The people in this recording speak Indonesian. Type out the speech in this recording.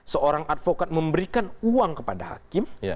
seorang advokat memberikan uang kepada hakim